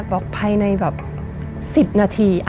บอกภัยในแบบ๑๐นาที